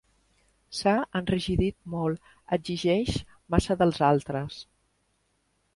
S'ha enrigidit molt: exigeix massa dels altres.